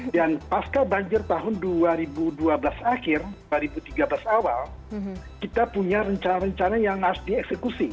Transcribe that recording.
dan pasca banjir tahun dua ribu dua belas akhir dua ribu tiga belas awal kita punya rencana rencana yang harus dieksekusi